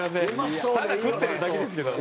ただ食ってるだけですけど。